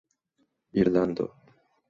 irlando